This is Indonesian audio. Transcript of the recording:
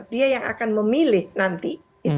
dia yang akan memilih nanti